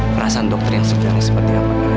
perasaan dokter yang sebenarnya seperti apa dengan aida